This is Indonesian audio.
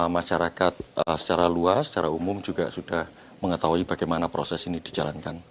masyarakat secara luas secara umum juga sudah mengetahui bagaimana proses ini dijalankan